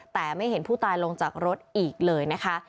แต่ไม่เห็นผู้ตายลงจากรถอีกเลยนะคะ